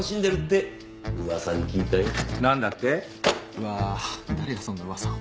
うわあ誰がそんな噂を。